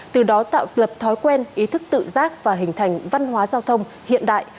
từ đó tạo lập thói quen ý thức tự giác và hình thành văn hóa giao thông hiện đại